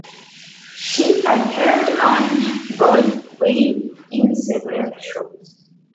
She appeared on Broadway in several shows.